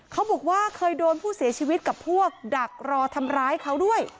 เขาบอกว่าเคยโดนผู้เสียชีวิตกับพวกดักรอทำร้ายเขาด้วย